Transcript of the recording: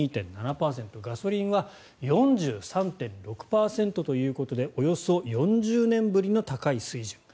ガソリンは４３．６％ということでおよそ４０年ぶりの高い水準。